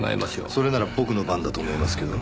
それなら僕の番だと思いますけど。